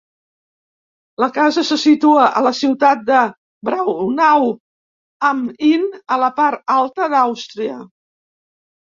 La casa se situa a la ciutat de Braunau am Inn, a la part alta d'Àustria.